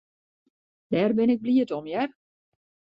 Dêr bin ik bliid om, hear.